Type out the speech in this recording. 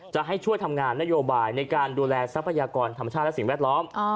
จะให้ช่วยทำงานนโยบายในการดูแลทรัพยากรธรรมชาติและสิ่งแวดล้อม